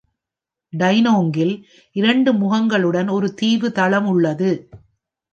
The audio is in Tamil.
டைனோங்கில் இரண்டு முகங்களுடன் ஒரு தீவு தளம் உள்ளது.